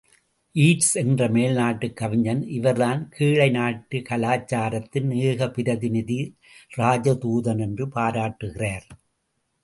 Eats என்ற மேல் நாட்டுக் கவிஞன், இவர்தான் கீழை நாட்டு கலாச்சாரத்தின் ஏக பிரதிநிதி, ராஜதூதன் என்று பாராட்டுகிறார்.